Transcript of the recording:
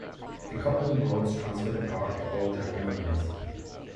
The coupling rods transfer the power to all driving wheels.